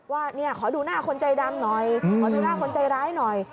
ว่าขอดูหน้าคนใจดำหน่อยขอดูหน้าคนใจร้ายหน่อย